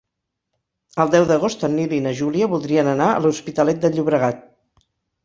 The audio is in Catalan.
El deu d'agost en Nil i na Júlia voldrien anar a l'Hospitalet de Llobregat.